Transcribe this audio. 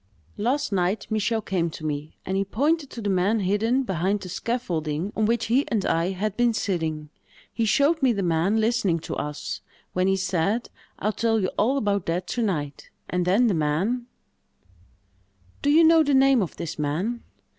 "Last night, Michel came to me, and he pointed to the man hidden behind the scaffolding on which he and I had been sitting. He showed me the man listening to us, when he said, 'I'll tell you all about that to night;' and then the man——" "Do you know the name of this man?"